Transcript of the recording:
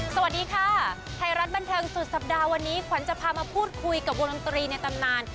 สวัสดีค่ะไทยรัฐบันเทิงสุดสัปดาห์วันนี้ขวัญจะพามาพูดคุยกับวงดนตรีในตำนาน